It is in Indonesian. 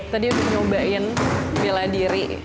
tadi udah nyobain bela diri